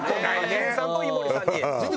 ヒデさんと井森さんに。